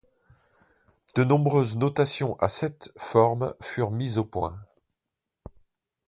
De nombreuses notations à sept formes furent mises au point.